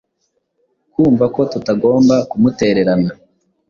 kumva ko tutagombaga ku mutererana.